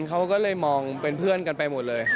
เขาก็เลยมองเป็นเพื่อนกันไปหมดเลย